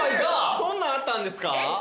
そんなんあったんですか？